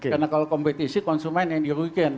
karena kalau kompetisi konsumen yang dirugikan